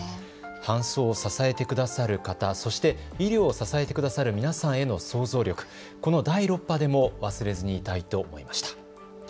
搬送を支えてくださる方、そして医療を支えてくださる皆さんの想像力、この第６波でも忘れずにいたいと思いました。